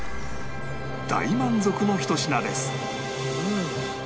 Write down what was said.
大満足のひと品です